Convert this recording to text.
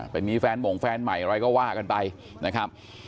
ไปมีแฟนหม่งแฟนใหม่อะไรก็ว่ากันไปนะครับ